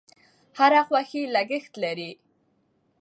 هر خوښي لګښت لري.